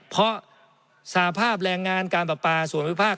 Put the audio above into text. เพราะสภาพแรงงานการประปาส่วนวิภาค